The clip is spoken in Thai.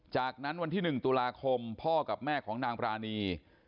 จากนั้นวันที่๑ตุลาคมพ่อกับแม่ของนางปรานี